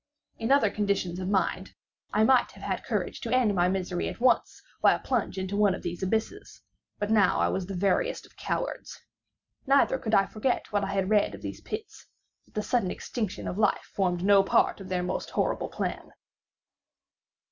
In other conditions of mind I might have had courage to end my misery at once by a plunge into one of these abysses; but now I was the veriest of cowards. Neither could I forget what I had read of these pits—that the sudden extinction of life formed no part of their most horrible plan.